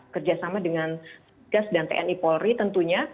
kerjasama dengan gas dan tni polri tentunya